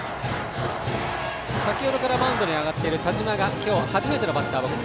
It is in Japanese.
先程からマウンドに上がっている田嶋がバッターボックス。